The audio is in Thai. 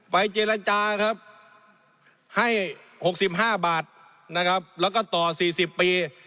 เจรจาครับให้๖๕บาทนะครับแล้วก็ต่อ๔๐ปี